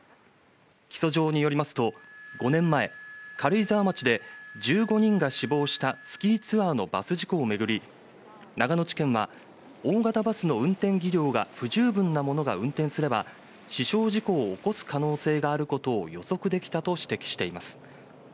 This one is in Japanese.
起訴状によりますと、５年前、軽井沢町で１５人が死亡したスキーツアーのバス事故をめぐり長野地検は、大型バスの運転技量が不十分なものが運転すれば死傷事故を起こす可能性があることを予測できたと指摘しています。